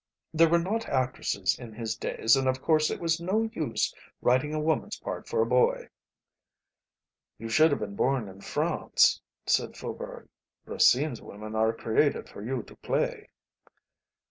There were not actresses in his days, and of course it was no use writing a woman's part for a boy." "You should have been born in France," said Faubourg, "Racine's women are created for you to play."